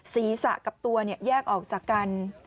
ศีรษะกับตัวแยกออกจากกัน